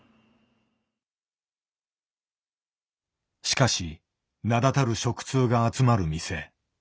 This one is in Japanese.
しかし名だたる食通が集まる店。